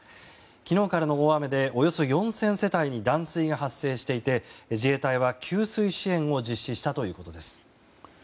昨日からの大雨でおよそ４０００世帯に断水が発生していて自衛隊は給水支援を実施したということです。